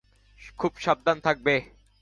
খুব সাবধান থাকবে।